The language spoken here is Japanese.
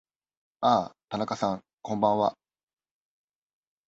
ああ、田中さん、こんばんは。